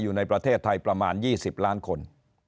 อยู่ในประเทศไทยประมาณ๒๐ล้านคน